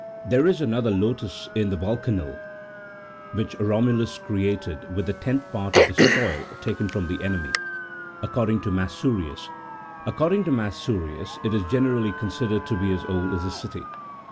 There is another lotus in the Yulcanal,60 which Romulus erected with the tenth part of the spoil taken from the enemy : according to Massurius, it is generally considered to be as old as the City.